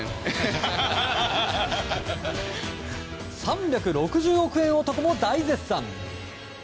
３６０億円男も大絶賛。